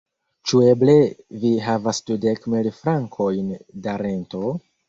Ĉu eble vi havas dudek mil frankojn da rento?